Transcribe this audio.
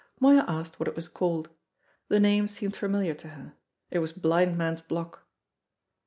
Moya asked what it was called. The name seemed familiar to her. It was Blind Man's Block.